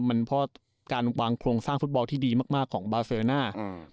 มันเพราะการวางโครงสร้างฟุตบอลที่ดีมากมากของบาเซอร์น่าอืม